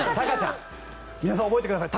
皆さん覚えてください。